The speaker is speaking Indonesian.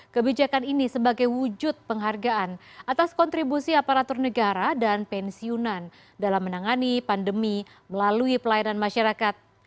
kebijakan ini sebagai wujud penghargaan atas kontribusi aparatur negara dan pensiunan dalam menangani pandemi melalui pelayanan masyarakat